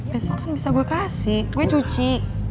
besok kan bisa gue kasih gue cuci